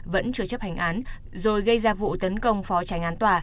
vẫn chưa chấp hành án rồi gây ra vụ tấn công phó tranh án tòa